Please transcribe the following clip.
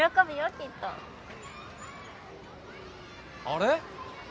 あれ？